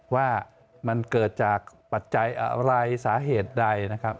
ว่ามันเกิดจากปัจจัยอะไรสาเหตุใดนะครับ